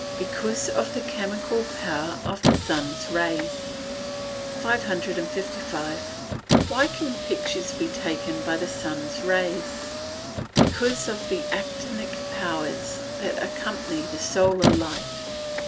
_ Because of the chemical power of the sun's rays. 555. Why can pictures be taken by the sun's rays? Because of the actinic powers that accompany the solar light.